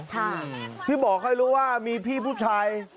ค่ะที่บอกให้รู้ว่ามีพี่ผู้ชาย